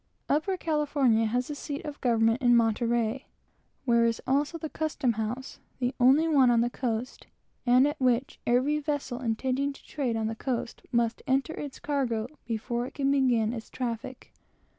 Upper California has the seat of its government at Monterey, where is also the custom house, the only one on the coast, and at which every vessel intending to trade on the coast must enter its cargo before it can commence its traffic.